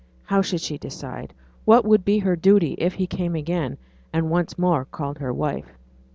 How should she decide? what would be her duty, if he came again, and once more called her 'wife'?